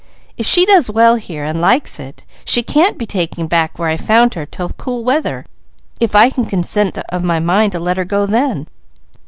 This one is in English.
If she does well here, and likes it, she can't be taken back where I found her, till cool weather, if I can get the consent of my mind to let her go then.